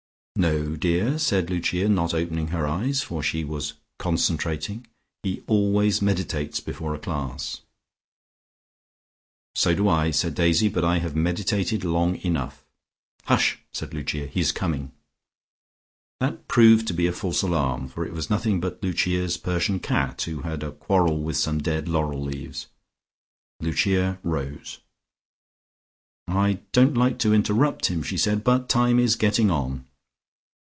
"No, dear," said Lucia, not opening her eyes, for she was "concentrating," "he always meditates before a class." "So do I," said Daisy, "but I have meditated long enough." "Hush!" said Lucia. "He is coming." That proved to be a false alarm, for it was nothing but Lucia's Persian cat, who had a quarrel with some dead laurel leaves. Lucia rose. "I don't like to interrupt him," she said, "but time is getting on."